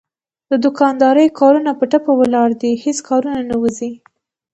د دوکاندارۍ کارونه په ټپه ولاړ دي هېڅ کارونه نه وځي.